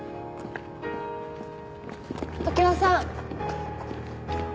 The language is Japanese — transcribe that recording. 常葉さん。